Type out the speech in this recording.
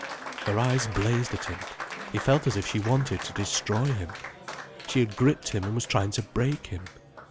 Her eyes blazed at him, he felt as if she wanted to destroy him. She had gripped him and was trying to break him.